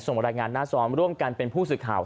รายงานหน้าซ้อมร่วมกันเป็นผู้สื่อข่าว